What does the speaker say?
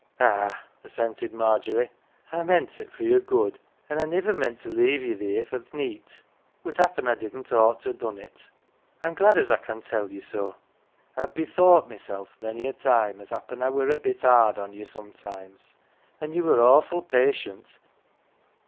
" Ah," assented Margery, " I meant it for your good, an' I niver meant to leave ye theer for th' neet. But happen I didn't ought to ha' done it. I'm glad as I can tell ye so. I've bethought mysel' many a time as happen I were a bit 'ard on ye sometimes an' ye were awful patient."